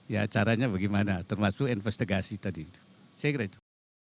ya caranya bagaimana termasuk investigasi tadi itu